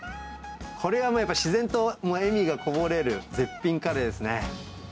これはやっぱ、自然と笑みがこぼれる絶品カレーですね。